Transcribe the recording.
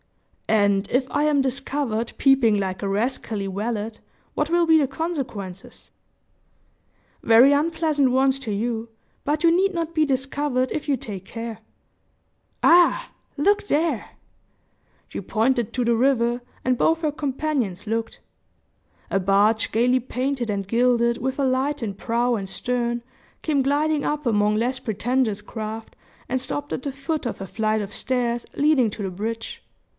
"And if I am discovered peeping like a rascally valet, what will be the consequences?" "Very unpleasant ones to you; but you need not be discovered if you take care. Ah! Look there!" She pointed to the river, and both her companions looked. A barge gayly painted and gilded, with a light in prow and stern, came gliding up among less pretentious craft, and stopped at the foot of a flight of stairs leading to the bridge.